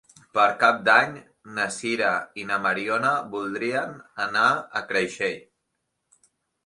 Per Cap d'Any na Sira i na Mariona voldrien anar a Creixell.